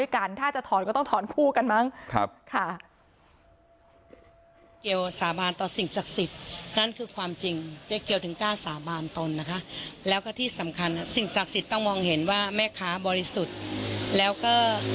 ก็ไปรู้ใจเจ๊ก็อีกหรือ